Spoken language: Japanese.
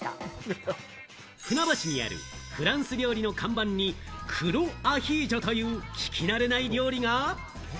船橋にあるフランス料理の看板に黒アヒージョという聞き慣れない料理が。